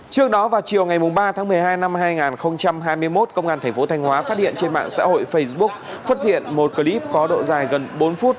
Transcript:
trước đó vào chiều ngày ba tháng một mươi hai năm hai nghìn hai mươi một công an thành phố thanh hóa phát hiện trên mạng xã hội facebook xuất hiện một clip có độ dài gần bốn phút